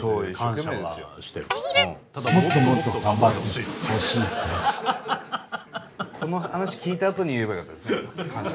この話聞いたあとに言えばよかったですね感謝ねはい。